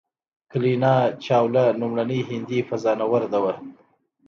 کلپنا چاوله لومړنۍ هندۍ فضانورده وه.